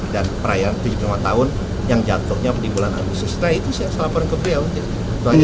dan perayaan tujuh puluh lima tahun yang jatuhnya di bulan agustus nah itu sih yang saya laporin ke beliau